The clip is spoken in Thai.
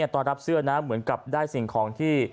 ตอนรับเสื้อนะเหมือนกับได้สิ่งของที่